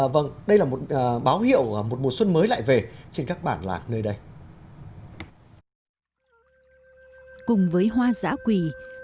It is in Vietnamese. vâng đây là một báo hiệu một mùa xuân mới lại về trên các bảng làng nơi đây